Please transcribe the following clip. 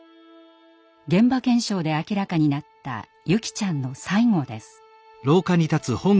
現場検証で明らかになった優希ちゃんの最期です。